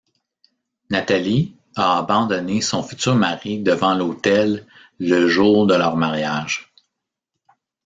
Nathalie a abandonné son futur mari devant l'autel le jour de leur mariage.